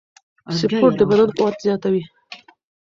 سپورت د بدن قوت زیاتوي.